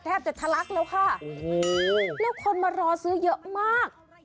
แทบจะทะลักแล้วค่ะโอ้โหแล้วคนมารอซื้อเยอะมาก